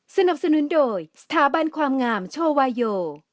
สนับสนุนโดยสถาบันความงามโชวาโย